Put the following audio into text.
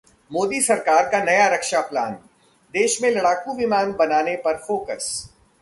मोदी सरकार का नया 'रक्षा प्लान', देश में लड़ाकू विमान बनाने पर फोकस